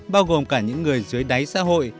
bao gồm cả những người dưới đáy xã hội